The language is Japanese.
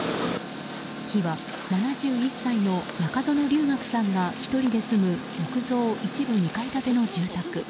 火は７１歳の中園隆岳さんが１人で住む木造一部２階建ての住宅。